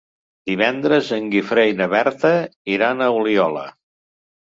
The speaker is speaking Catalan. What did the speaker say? Divendres en Guifré i na Berta iran a Oliola.